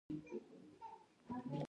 دی له سربدالۍ ووت.